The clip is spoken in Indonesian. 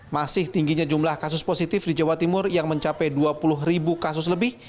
masih tingginya jumlah kasus positif di jawa timur yang mencapai dua puluh ribu kasus lebih